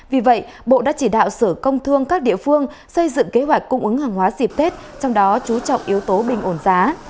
vì vậy bộ đã chỉ đạo sở công thương các địa phương xây dựng kế hoạch cung ứng hàng hóa dịp tết trong đó chú trọng yếu tố bình ổn giá